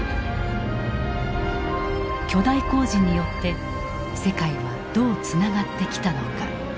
巨大工事によって世界はどうつながってきたのか。